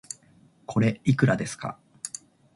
これ、いくらですか